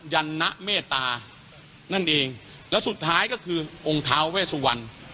ยันนะเมตตานั่นเองแล้วสุดท้ายก็คือองค์ท้าเวสวรรณ